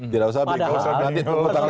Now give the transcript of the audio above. tidak usah bingung